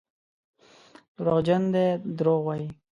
دروغجن دي دروغ وايي.